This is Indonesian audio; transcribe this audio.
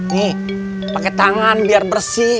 nih pakai tangan biar bersih